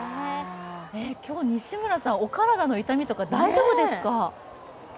今日、西村さん、お体の痛みとか大丈夫ですか？